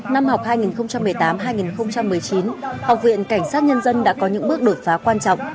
năm học hai nghìn một mươi tám hai nghìn một mươi chín học viện cảnh sát nhân dân đã có những bước đột phá quan trọng